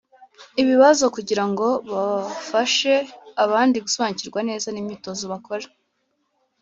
ibibazo kugira ngo bafashe abandi gusobanukirwa neza n’imyitozo bakora.